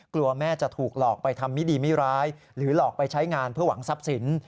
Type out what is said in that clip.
กลัวแม่จะถูกหลอกไปทำมิดีมิร้ายหรือหลอกไปใช้งานเพื่อหวังทรัพย์สิน